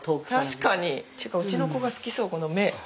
確かに！っていうかうちの子が好きそうこの目。